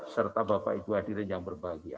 serta bapak ibu hadirin yang berbahagia